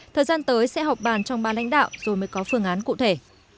thời gian tới sẽ họp bàn trong ba lãnh đạo rồi mới có phương án cụ thể